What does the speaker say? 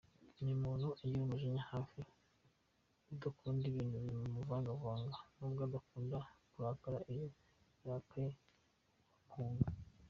Ni umuntu ugira umujinya hafi udakunda ibintu bimuvangavanga nubwo adakunda kurakara iyo yarakaye wamuhunga.